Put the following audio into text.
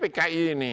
bilang aja pki ini